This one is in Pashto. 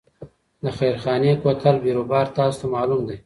د خیرخانې کوتل بیروبار تاسو ته معلوم دی.